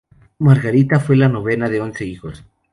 Margarita fue la novena de once hijos.